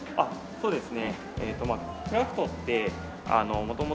そうですね。